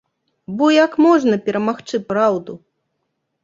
Бо як можна перамагчы праўду?!